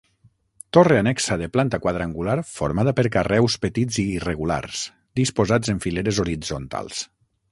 Torre annexa de planta quadrangular, formada per carreus petits i irregulars, disposats en fileres horitzontals.